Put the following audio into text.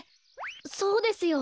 そうですよ。